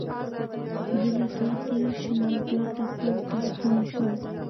زه له دوی تېر شوم او بېرته کور ته ستون شوم.